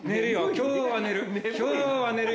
今日は寝る